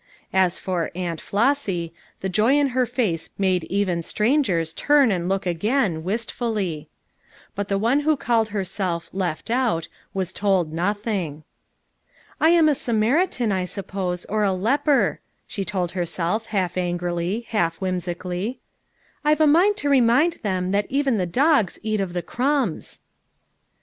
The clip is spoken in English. As for " Aunt Flossy" the joy in her face made even strangers turn and look again, wistfully. But the one who called herself "left out" was told nothing. "I am a Samaritan, I suppose, or a leper," she told herself half angrily, half whimsically. "I've a mind to remind them that 'even the dogs eat of the crumbs.'